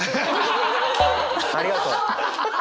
ありがとう。